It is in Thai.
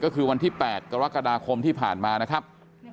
ก็คือวันที่๘กรกฎาคมที่ผ่านมานะครับ